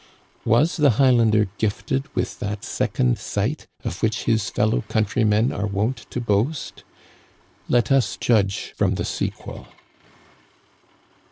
Was the Highlander gifted with that second sight of which his fellow countr)rmen are wont to boast ? Let us judge from the sequel.